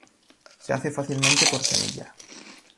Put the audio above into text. Se hace fácilmente por semilla.